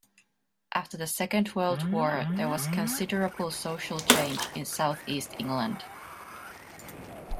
After the Second World War, there was considerable social change in South East England.